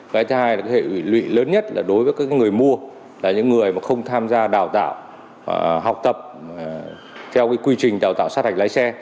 cái thứ hai là hệ lụy lớn nhất là đối với các người mua là những người mà không tham gia đào tạo học tập theo cái quy trình đào tạo sát hạch lái xe